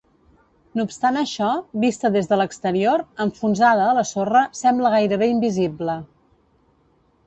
No obstant això, vista des de l'exterior, enfonsada a la sorra, sembla gairebé invisible.